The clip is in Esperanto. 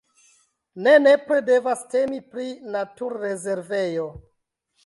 Ne nepre devas temi pri naturrezervejo.